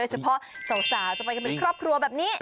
เฉพาะสาวจะไปกันเป็นครอบครัวแบบนี้